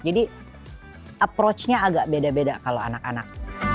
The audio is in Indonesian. jadi approach nya agak beda beda kalau anak anak